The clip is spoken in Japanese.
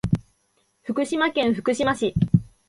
福島県福島市